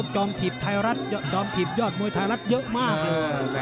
จอมถีบยอดมวยไทรัสเยอะมาก